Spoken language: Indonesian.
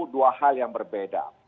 dua hal yang berbeda